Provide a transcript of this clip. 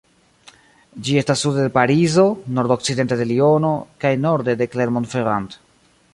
Ĝi estas sude de Parizo, nordokcidente de Liono kaj norde de Clermont-Ferrand.